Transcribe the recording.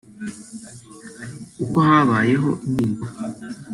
uko habayeho impinduka